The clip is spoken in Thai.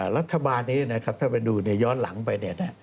รัฐบาลนี้ถ้าไปดูย้อนหลังไป